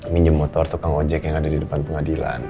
minjem motor tukang ojek yang ada di depan pengadilan